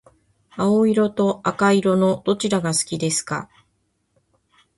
青色と赤色のどちらが好きですか？